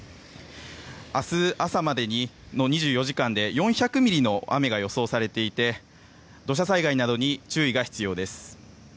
明日朝までの２４時間で４００ミリの雨が予想されていて土砂災害などに注意が必要です。